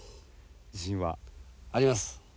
自信は？あります。